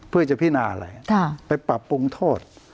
เพื่อจะพินาอะไรไปปรับปรุงโทษ